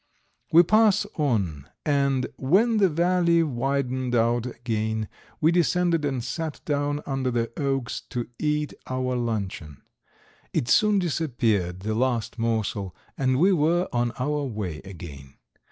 We passed on, and when the valley widened out again we descended and sat down under the oaks to eat our luncheon. It soon disappeared, the last morsel, and we were on our way again.